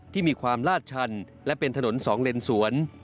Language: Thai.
ที่มีความลาดชันและเป็นถนนสองเลนสวน